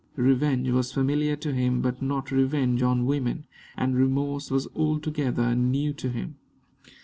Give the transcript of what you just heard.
Revenge was familiar to him, but not revenge on women, and remorse was altogether new to him.